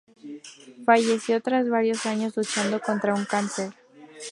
Falleció tras varios años luchando contra un cáncer.